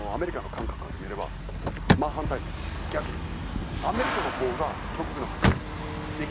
逆です。